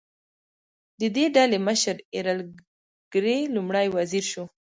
د دې ډلې مشر ایرل ګرې لومړی وزیر شو.